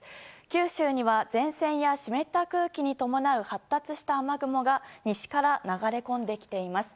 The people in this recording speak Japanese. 九州には前線や湿った空気に伴う発達した雨雲が西から流れ込んできています。